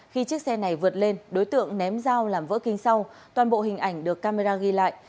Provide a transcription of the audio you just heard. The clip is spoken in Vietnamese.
khi chiếc xe này vượt lên đối tượng ném dao làm vỡ kính sau toàn bộ hình ảnh được camera ghi lại